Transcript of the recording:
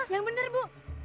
yang bener bu